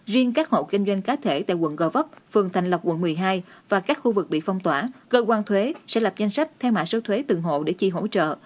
riêng các hộ kinh doanh cá thể tại quận gò vấp phường thành lập quận một mươi hai và các khu vực bị phong tỏa cơ quan thuế sẽ lập danh sách theo mã số thuế từng hộ để chi hỗ trợ